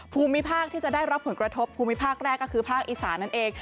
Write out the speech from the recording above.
ภูมิภาคที่จะได้รับผลกระทบภูมิภาคแรกก็คือภาคอีสานนั่นเอง